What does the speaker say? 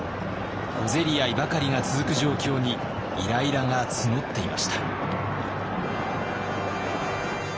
小競り合いばかりが続く状況にイライラが募っていました。